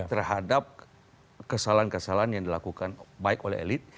terhadap kesalahan kesalahan yang dilakukan baik oleh elit